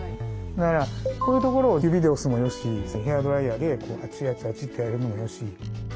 だからこういうところを指で押すもよしヘアドライヤーでこうアチアチアチとやるのもよし。